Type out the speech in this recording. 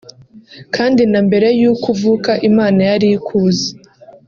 kandi na mbere y’uko uvuka Imana yari ikuzi